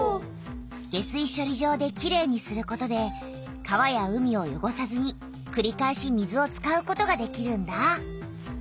下水しょり場できれいにすることで川や海をよごさずにくりかえし水を使うことができるんだ。